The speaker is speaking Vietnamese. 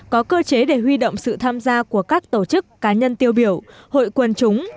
có cơ chế để huy động sự tham gia của các tổ chức cá nhân tiêu biểu hội quần chúng